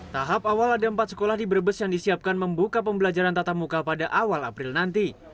tahap awal ada empat sekolah di brebes yang disiapkan membuka pembelajaran tatap muka pada awal april nanti